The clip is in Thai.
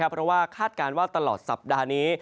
เพราะว่าคาดการณ์ว่าตลอดสัปดาห์นี้